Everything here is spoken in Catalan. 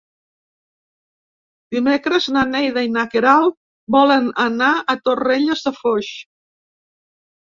Dimecres na Neida i na Queralt volen anar a Torrelles de Foix.